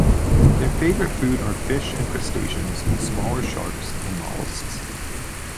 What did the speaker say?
Their favorite food are fish and crustaceans, smaller sharks and mollusks.